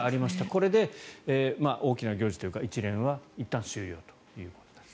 これで大きな行事というか一連はいったん終了となります。